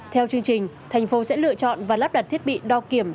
theo chương trình thành phố sẽ lựa chọn và lắp đặt thiết bị đo kiểm